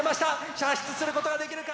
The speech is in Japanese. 射出することができるか！